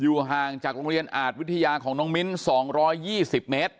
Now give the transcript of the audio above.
ห่างจากโรงเรียนอาจวิทยาของน้องมิ้น๒๒๐เมตร